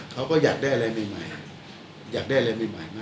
เขาก็อยากได้อะไรใหม่ใหม่อยากได้อะไรใหม่ใหม่มากกว่า